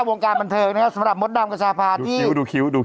วงการบันเทิงนะครับสำหรับมดดำกับช้าพลาดที่ดูคิ้ว